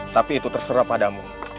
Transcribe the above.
tapi itu terserah padamu